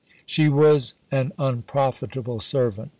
She was an unprofitable servant.